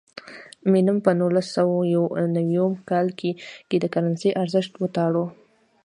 مینم په نولس سوه یو نوي کال کې د کرنسۍ ارزښت وتاړه.